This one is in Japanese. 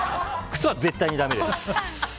靴は絶対にダメです。